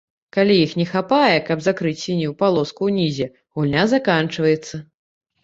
Калі іх не хапае, каб закрыць сінюю палоску ўнізе, гульня заканчваецца.